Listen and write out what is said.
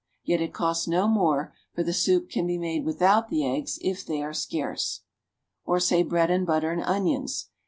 Yet it costs no more, for the soup can be made without the eggs if they are scarce. Or say bread and butter and onions.